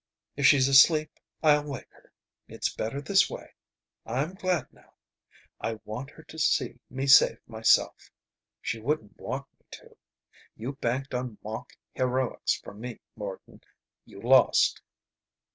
"If she's asleep, I'll wake her. It's better this way. I'm glad, now. I want her to see me save myself. She would want me to. You banked on mock heroics from me, Morton. You lost."